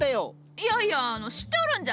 いやいやあの知っておるんじゃ。